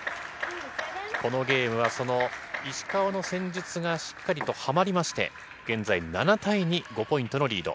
このゲームは、その石川の戦術がしっかりとはまりまして、現在７対２、５ポイントのリード。